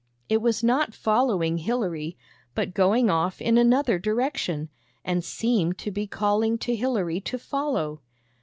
It was not following Hilary, but going off in another direction, and seemed to be calling to Hilary to follow.